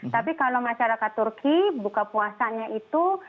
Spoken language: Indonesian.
tapi kalau masyarakat turki buka puasanya itu